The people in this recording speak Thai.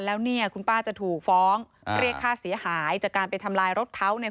แล้วเนี่ยคุณป้าจะถูกฟ้องเรียกค่าเสียหายจากการไปทำลายรถเขาเนี่ย